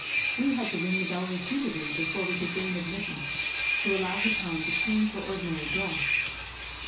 We had to ring the bell repeatedly before we could gain admittance, to allow her time to change her ordinary dress.